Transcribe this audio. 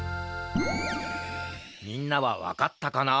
みんなはわかったかな？